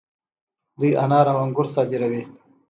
دوی انار او انګور صادروي.